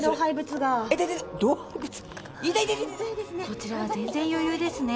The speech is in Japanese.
こちらは全然余裕ですね。